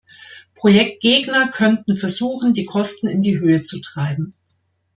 Projektgegner könnten versuchen, die Kosten in die Höhe zu treiben.